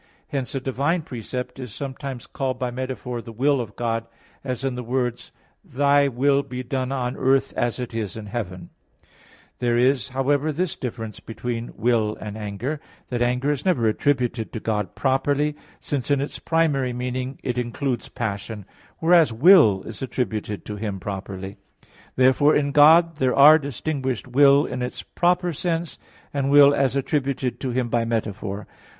Hence a divine precept is sometimes called by metaphor the will of God, as in the words: "Thy will be done on earth, as it is in heaven" (Matt. 6:10). There is, however, this difference between will and anger, that anger is never attributed to God properly, since in its primary meaning it includes passion; whereas will is attributed to Him properly. Therefore in God there are distinguished will in its proper sense, and will as attributed to Him by metaphor.